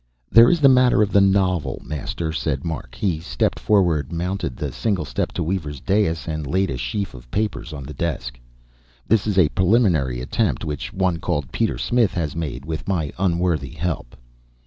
"There is the matter of the novel, Master," said Mark. He stepped forward, mounted the single step to Weaver's dais, and laid a sheaf of papers on the desk. "This is a preliminary attempt which one called Peter Smith has made with my unworthy help."